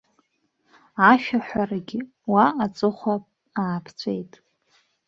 Ашәаҳәарагь уа аҵыхәа ааԥҵәеит.